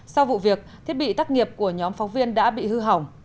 sau vụ việc thiết bị tác nghiệp của nhóm phóng viên đã bị hư hỏng